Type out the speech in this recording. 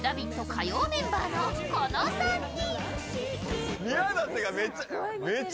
火曜メンバーのこの３人。